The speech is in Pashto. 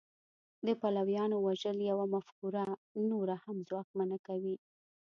د پلویانو وژل یوه مفکوره نوره هم ځواکمنه کوي